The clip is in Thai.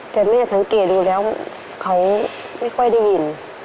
แต่แม่สังเกตดูแล้วเขาไม่ค่อยได้ยิน